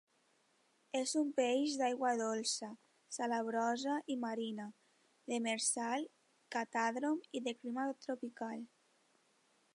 És un peix d'aigua dolça, salabrosa i marina; demersal; catàdrom i de clima tropical.